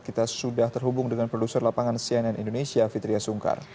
kita sudah terhubung dengan produser lapangan cnn indonesia fitriah sungkar